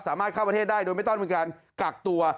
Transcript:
สามารถเข้าประเทศได้โดยไม่ต้องมีการกักตัว